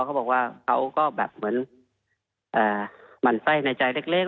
เขาบอกว่าเขาก็แบบเหมือนหมั่นไส้ในใจเล็ก